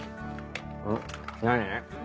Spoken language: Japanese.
ん何？